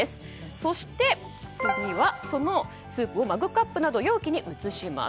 そして、次はそのスープをマグカップなどの容器に移します。